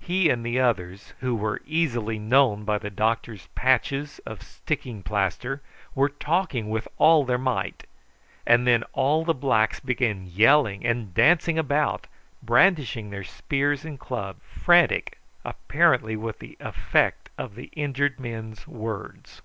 He and the others, who were easily known by the doctor's patches of sticking plaster, were talking with all their might; and then all the blacks began yelling and dancing about, brandishing their spears and clubs, frantic apparently with the effect of the injured men's words.